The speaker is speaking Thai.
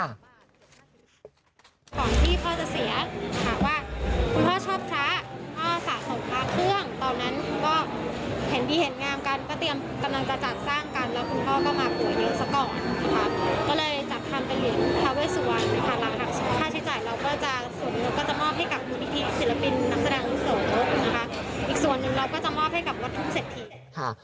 แล้วก็จะมอบให้กับวัดทุ่งเศรษฐี